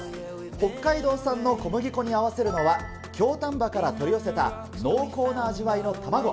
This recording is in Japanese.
北海道産の小麦粉に合わせるのは、京丹波から取り寄せた濃厚な味わいの卵。